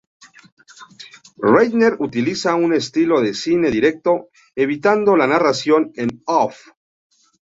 Reichert Utiliza un estilo de cine directo, evitando la narración en off.